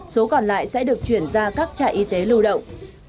số còn lại sẽ được chuyển ra các trại y tế lưu động